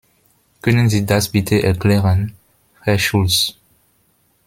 Können Sie das bitte erklären, Herr Schulz?